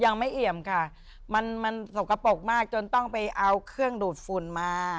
เอาเกี่ยวไอ้เอียมค่ะมันสกปรกมากจนต้องไปเอาเครื่องดูดฝุ่นมา